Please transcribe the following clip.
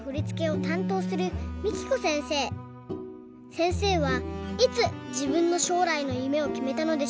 せんせいはいつじぶんのしょうらいのゆめをきめたのでしょうか？